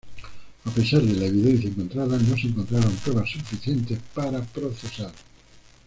A pesar de la evidencia encontrada, no se encontraron pruebas suficientes para procesar.